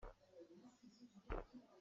Ngaihthlem in a thah.